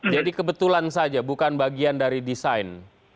jadi kebetulan saja bukan bagian dari desain